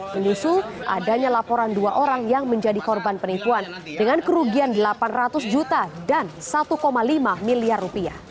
menyusul adanya laporan dua orang yang menjadi korban penipuan dengan kerugian rp delapan ratus juta dan rp satu lima miliar